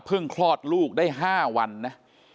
เพิ่งคลอดลูกได้๕วันนะ